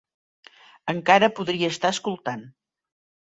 Encara podria estar escoltant.